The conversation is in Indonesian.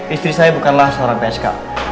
istri saya bukanlah seorang psk